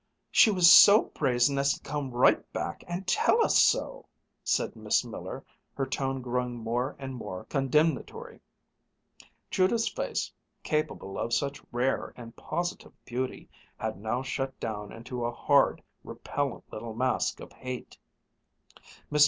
"She was so brazen as to come right back and tell us so," said Miss Miller, her tone growing more and more condemnatory. Judith's face, capable of such rare and positive beauty, had now shut down into a hard, repellent little mask of hate. Mr.